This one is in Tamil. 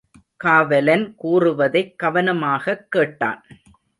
காவலன் கூறுவதைக் கவனமாகக் கேட்டான்.